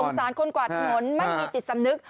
สารคนกวาดถนนไม่มีจิตสำนึก